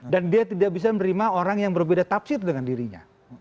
dan dia tidak bisa menerima orang yang berbeda tafsir dengan dirinya